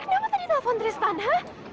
mami kenapa tadi telfon tristan ha